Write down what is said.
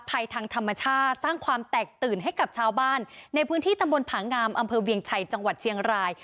ภัยทางธรรมชาติสร้างความแตกตื่นให้กับชาวบ้านในพื้นที่ตำบลผางามอำเภอเวียงชัยจังหวัดเชียงราย